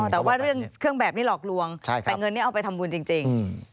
แต่ว่าเรื่องเครื่องแบบนี้หลอกลวงแต่เงินนี้เอาไปทำบุญจริง